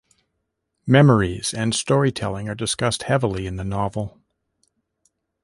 Memories and storytelling are discussed heavily in the novel.